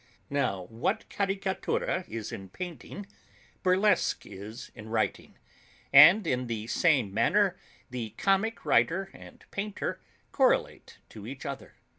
Now what Caricatura is in painting Burlesque is in writing, and in the same manner the comic writer and painter correlate to each other.